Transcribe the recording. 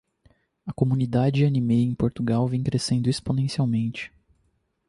A comunidade animé em Portugal vem crescendo exponencialmente.